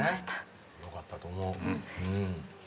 ・よかったと思う。